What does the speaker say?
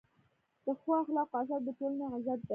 د ښو اخلاقو اثر د ټولنې عزت دی.